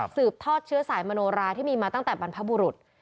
ทอดเชื้อสายมโนราที่มีมาตั้งแต่บรรพบุรุษ